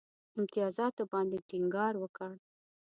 امتیازاتو باندي ټینګار وکړ.